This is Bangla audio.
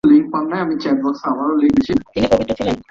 তিনি পবিত্র ছিলেন, তাই নীচুতাকে ঘৃণা করতেন।